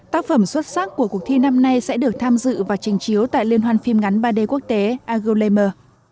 tác phẩm xuất sắc của cuộc thi năm nay sẽ được tham dự và trình chiếu tại liên hoan phim ngắn ba d quốc tế agolemer